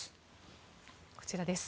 こちらです。